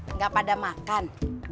nggak pada makan